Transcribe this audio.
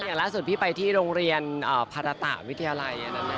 อย่างล่าสุดพี่ไปที่โรงเรียนภาระตะวิทยาลัย